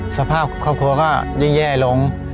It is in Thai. สภาพครอบครัวก็ยิ่งแย่ลง